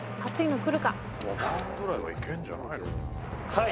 「はい」